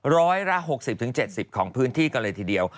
ร้อยละ๖๐๗๐ของพื้นที่กันเลยทีเดียว